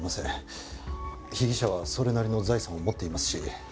被疑者はそれなりの財産を持っていますし。